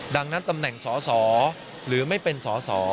ดังนั้นตำแหน่งสอสอหรือไม่เป็นสอสอ